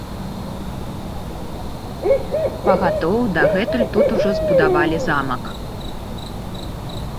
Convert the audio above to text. Пагатоў, дагэтуль тут ужо збудавалі замак.